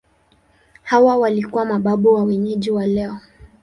Hawa walikuwa mababu wa wenyeji wa leo.